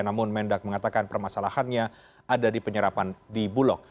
namun mendak mengatakan permasalahannya ada di penyerapan di bulog